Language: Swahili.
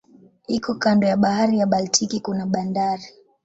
Iko kando ya bahari ya Baltiki kuna bandari.